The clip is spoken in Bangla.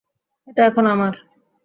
এটা এখন আমার।